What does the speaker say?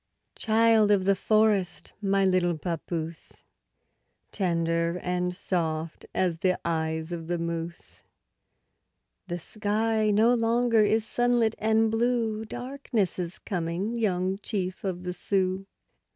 Child of the forest, my little papoose, Tender and soft as the eyes of the moose, The sky no longer is sunlit and blue— Darkness is coming, young chief of the Sioux!